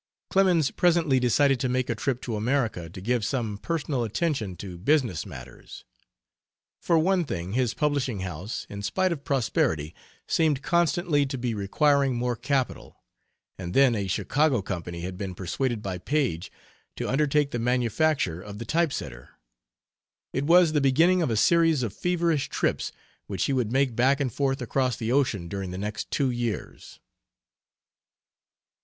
Clemens presently decided to make a trip to America to give some personal attention to business matters. For one thing, his publishing house, in spite of prosperity, seemed constantly to be requiring more capital, and then a Chicago company had been persuaded by Paige to undertake the manufacture of the type setter. It was the beginning of a series of feverish trips which he would make back and forth across the ocean during the next two years.